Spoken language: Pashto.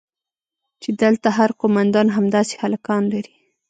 چې دلته هر قومندان همداسې هلکان لري.